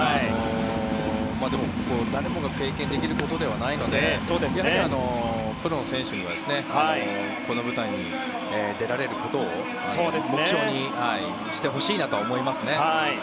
でも、誰もが経験できることではないのでプロの選手にはこの舞台に出られることを目標にしてほしいなと思いますね。